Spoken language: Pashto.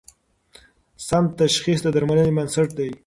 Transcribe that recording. سم تشخیص د درملنې بنسټ دی.